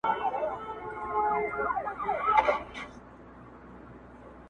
زه به مي تندی نه په تندي به تېشه ماته کړم.